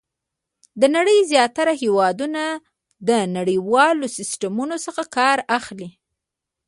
د نړۍ زیاتره هېوادونه له نړیوالو سیسټمونو څخه کار اخلي.